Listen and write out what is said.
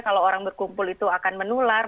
kalau orang berkumpul itu akan menular